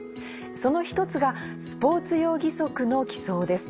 その一つがスポーツ用義足の寄贈です。